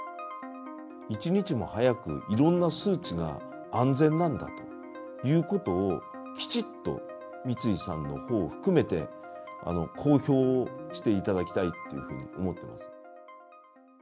一日も早く、いろんな数値が安全なんだということを、きちっと三井さんのほうを含めて、公表していただきたいっていうふうに思っています。